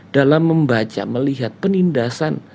dalam membaca melihat penindasan